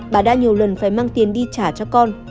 bà đã nhiều lần phải mang tiền đi trả cho con